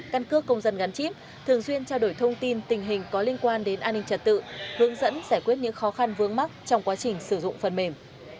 căn cước công dân gắn chip thường xuyên trao đổi thông tin tình hình có liên quan đến an ninh trật tự hướng dẫn giải quyết những khó khăn vướng mắt trong quá trình sử dụng phần mềm